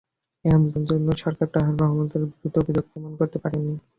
এখন পর্যন্ত সরকার তারেক রহমানের বিরুদ্ধে একটি অভিযোগও প্রমাণ করতে পারেনি।